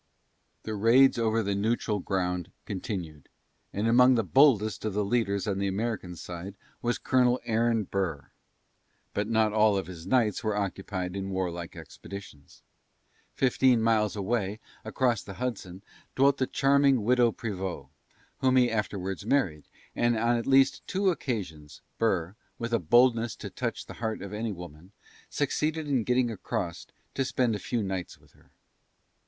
The raids over the "Neutral Ground" continued, and among the boldest of the leaders on the American side was Colonel Aaron Burr. But not all of his nights were occupied in warlike expeditions. Fifteen miles away, across the Hudson, dwelt the charming Widow Prevost, whom he afterwards married, and on at least two occasions, Burr, with a boldness to touch the heart of any woman, succeeded in getting across to spend a few hours with her.